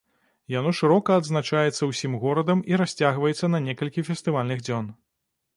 Яно шырока адзначаецца ўсім горадам і расцягваецца на некалькі фестывальных дзён.